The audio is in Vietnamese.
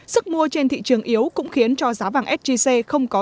sức mua trên thị trường yếu cũng khiến cho giá vàng sgc không có